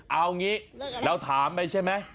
เอาอย่างนี้แล้วถามไปใช่ไหม